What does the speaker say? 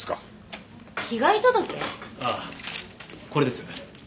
ああこれです。